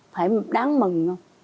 phải đáng mừng không